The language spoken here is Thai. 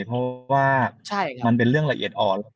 เพราะว่ามันเป็นเรื่องละเอียดอ่อน